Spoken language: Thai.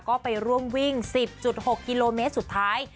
ก็ไปร่วมวิ่ง๑๐๖กิโลเมตรสุดท้าย